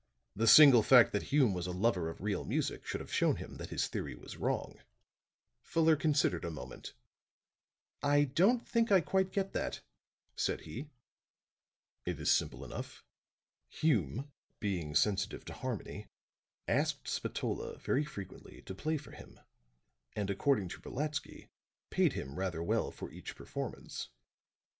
The single fact that Hume was a lover of real music should have shown him that his theory was wrong." Fuller considered a moment. "I don't think I quite get that," said he. "It is simple enough. Hume being sensitive to harmony, asked Spatola very frequently to play for him; and, according to Brolatsky, paid him rather well for each performance.